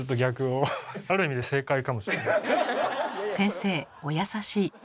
先生お優しい。